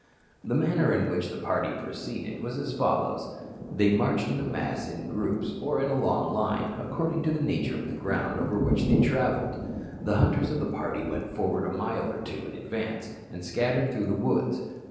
The manner in which the party proceeded was as follows: They marched in a mass in groups or in a long line, according to the nature of the ground over which they travelled. The hunters of the party went forward a mile or two in advance, and scattered through the woods.